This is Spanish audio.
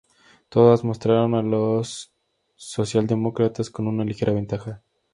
Todas mostraron a los socialdemócratas con una ligera ventaja.